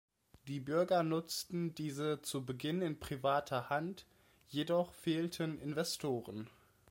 Die Bürger nutzten diese zu Beginn in privater Hand, jedoch fehlten Investoren.